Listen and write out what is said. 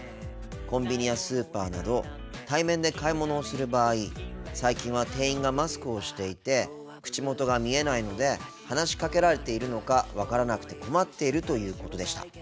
コンビニやスーパーなど対面で買い物をする場合最近は店員がマスクをしていて口元が見えないので話しかけられているのか分からなくて困っているということでした。